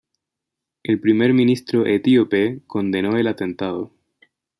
El primer ministro etíope condenó el atentado.